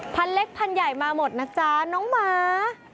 เล็กพันธุ์ใหญ่มาหมดนะจ๊ะน้องหมา